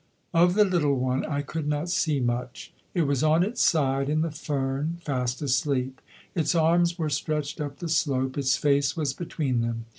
Of the little one I could not see much. It was on its side in the fern, fast asleep. Its arms were stretched up the slope, its face was between them.